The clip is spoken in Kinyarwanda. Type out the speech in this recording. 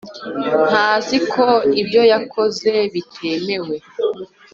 ntazi ko ibyo yakoze bitemewe